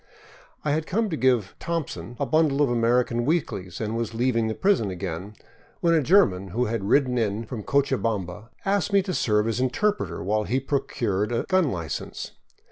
I had come to give " Thompson " a bundle of American weeklies and was leaving the prison again, when a German who had ridden in from Cochabamba asked me to serve as interpreter while he procured a gun license.